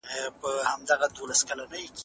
هلمند زما جنت دئ.